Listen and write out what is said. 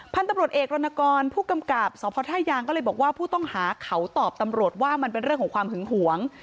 พันธุ์ต้องหาตอบตำรวจว่ามันเป็นเรื่องของความหึงหวง